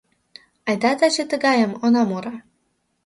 Айда таче тыгайым она муро?